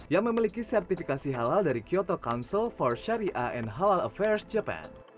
yang memiliki sertifikasi halal dari kyoto council for syariah and halal affairs japan